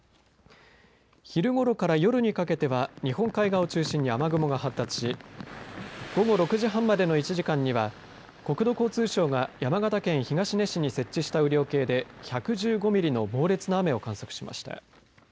昼ごろから夜にかけては日本海側を中心に雨雲が発達し午後６時半までの１時間には国土交通省が山形県東根市に設置した雨量計で１１５ミリの猛烈な雨を観測しました。